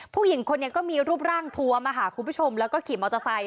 ผู้หญิงคนนี้ก็มีรูปร่างทวมคุณผู้ชมแล้วก็ขี่มอเตอร์ไซค